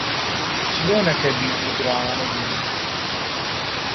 چلۆنە کە بیژووی گڕاوان ئەبینن